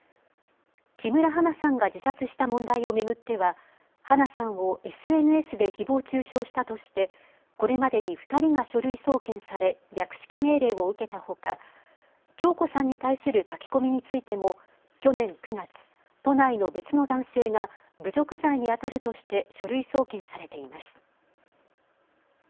木村花さんが自殺した問題を巡っては花さんをＳＮＳでひぼう中傷したとしてこれまでに２人が書類送検され略式命令を受けたほか響子さんに対する書き込みについても去年９月、都内の別の男性が侮辱罪にあたるとして書類送検されています。